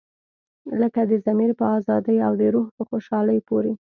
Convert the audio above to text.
لکه د ضمیر په ازادۍ او د روح په خوشحالۍ پورې.